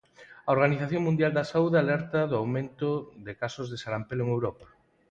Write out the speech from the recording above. A Organización Mundial da Saúde alerta do aumento de casos de sarampelo en Europa.